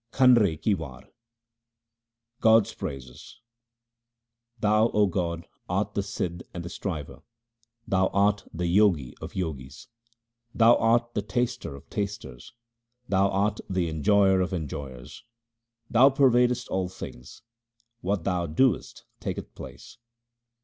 Kanre ki War God's praises :— Thou O God, art the Sidh and the Striver ; Thou art the Jogi of Jogis. Thou art the Taster of tasters ; Thou art the En j oyer of enjoyers. Thou pervadest all things ; what Thou doest taketh place.